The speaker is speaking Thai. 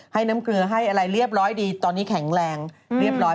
ให้น้ำเกลือให้อะไรเรียบร้อยดีตอนนี้แข็งแรงเรียบร้อย